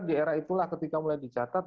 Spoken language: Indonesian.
di era itulah ketika mulai dicatat